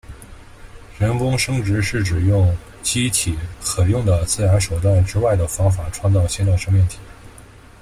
人工生殖是指用有机体可用的自然手段之外的方法创造新的生命体。